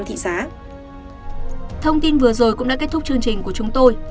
thông tin vừa rồi cũng đã kết thúc chương trình của chúng tôi